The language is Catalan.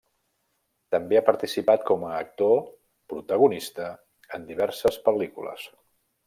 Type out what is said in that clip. També ha participat com a actor protagonista en diverses pel·lícules.